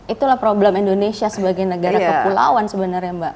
itulah problem indonesia sebagai negara kepulauan sebenarnya mbak